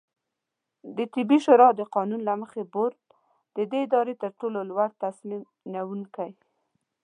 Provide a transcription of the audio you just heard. دطبي شورا د قانون له مخې، بورډ د دې ادارې ترټولو لوړتصمیم نیونکې